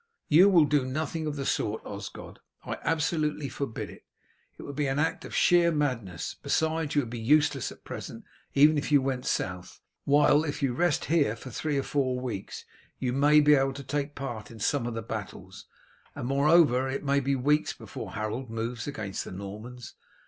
"You will do nothing of the sort, Osgod; I absolutely forbid it. It would be an act of sheer madness. Besides, you would be useless at present even if you went south, while if you rest here for three or four weeks you may be able to take part in some of the battles; and, moreover, it may be weeks before Harold moves against the Normans.